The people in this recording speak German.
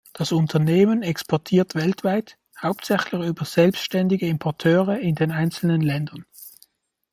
Das Unternehmen exportiert weltweit, hauptsächlich über selbstständige Importeure in den einzelnen Ländern.